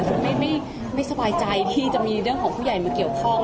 คือไม่สบายใจที่จะมีเรื่องของผู้ใหญ่มาเกี่ยวข้อง